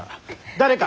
誰か！